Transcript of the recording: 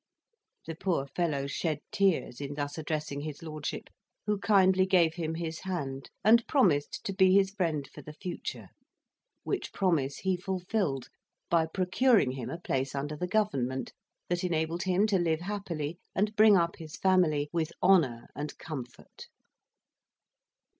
The poor fellow shed tears in thus addressing his lordship, who kindly gave him his hand, and promised to be his friend for the future; which promise he fulfilled, by procuring him a place under the Government, that enabled him to live happily and bring up his family with honour and comfort.